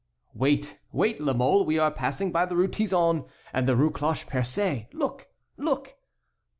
"Wait! wait! La Mole, we are passing by the Rue Tizon and the Rue Cloche Percée; look! look!"